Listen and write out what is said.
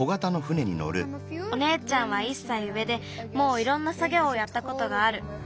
おねえちゃんは１歳上でもういろんなさぎょうをやったことがある。